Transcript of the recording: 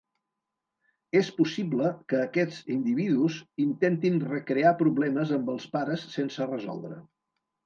És possible que aquests individus intentin recrear problemes amb els pares sense resoldre.